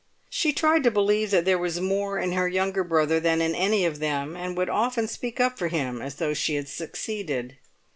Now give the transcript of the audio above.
She tried to believe that there was more in her younger brother than in any of them, and would often speak up for him as though she had succeeded.